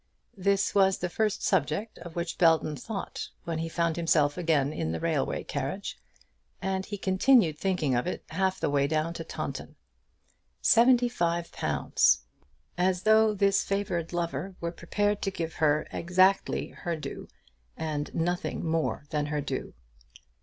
This was the first subject of which Belton thought when he found himself again in the railway carriage, and he continued thinking of it half the way down to Taunton. Seventy five pounds! As though this favoured lover were prepared to give her exactly her due, and nothing more than her due!